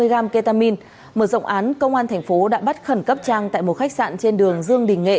một trăm hai mươi g ketamine mở rộng án công an tp đã bắt khẩn cấp trang tại một khách sạn trên đường dương đình nghệ